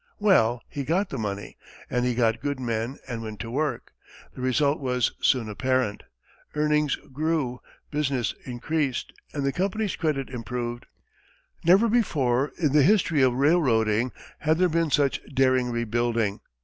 Well, he got the money and he got good men and went to work. The result was soon apparent. Earnings grew, business increased, and the company's credit improved. Never before in the history of railroading had there been such daring rebuilding.